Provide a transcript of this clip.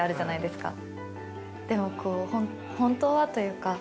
でもこう本当はというか。